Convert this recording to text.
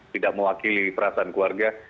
tidak mewakili perasaan keluarga